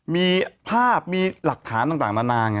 มีภาพมีหลักฐานต่างนานา